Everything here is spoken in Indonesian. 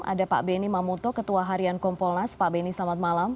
ada pak beni mamuto ketua harian kompolnas pak beni selamat malam